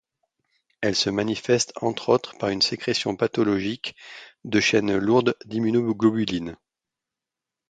Elle se manifeste entre autres par une sécrétion pathologique de chaînes lourdes d'immunoglobulines.